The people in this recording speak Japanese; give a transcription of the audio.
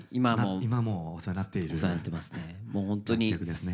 今もお世話になっている楽曲ですね。